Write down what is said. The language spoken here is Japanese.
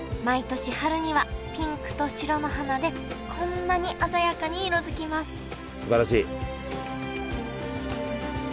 毎年春にはピンクと白の花でこんなに鮮やかに色づきますすばらしい！